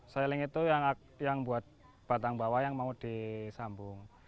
seiling itu yang buat batang bawah yang mau disambung